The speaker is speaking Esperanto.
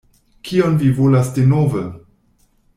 Kion vi volas denove?